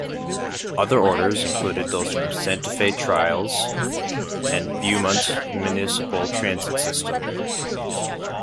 Other orders included those from Santa Fe Trails and Beaumont Municipal Transit System.